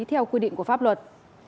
theo quy định của pháp luật